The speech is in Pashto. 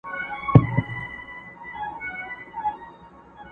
د خاوند ماشوم له وېري په ژړا سو٫